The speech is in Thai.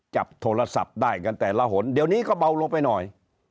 จับโทรศัพท์ได้กันแต่ละหนเดี๋ยวนี้ก็เบาลงไปหน่อย